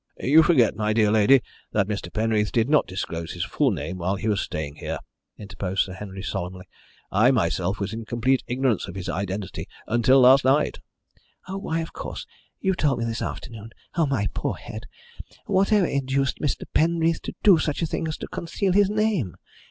"You forget, my dear lady, that Mr. Penreath did not disclose his full name while he was staying here," interposed Sir Henry solemnly. "I myself was in complete ignorance of his identity until last night." "Why, of course you told me this afternoon. My poor head! Whatever induced Mr. Penreath to do such a thing as to conceal his name?